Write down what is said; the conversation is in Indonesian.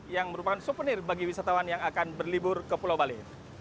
yang merupakan souvenir bagi wisatawan yang akan berlibur ke pulau bali